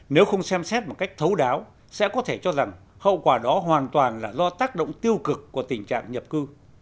nếu không xem xét một cách thấu đáo sẽ có thể cho rằng hậu quả đó hoàn toàn là do tác động tiêu cực của tình trạng nhập cư